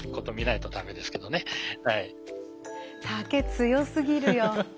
竹強すぎるよ。